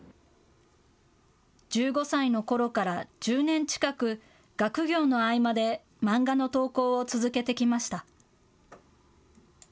１５歳のころから１０年近く学業の合間で漫画の投稿を続けてきました。